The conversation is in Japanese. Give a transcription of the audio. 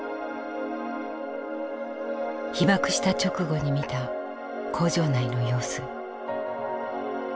被爆した直後に見た工場内の様子。